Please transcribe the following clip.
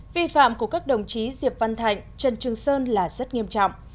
vi phạm của các đồng chí diệp văn thạnh trần trường sơn là rất nghiêm trọng